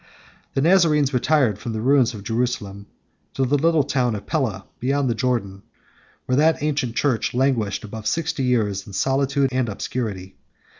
The Nazarenes retired from the ruins of Jerusalem 18 to the little town of Pella beyond the Jordan, where that ancient church languished above sixty years in solitude and obscurity.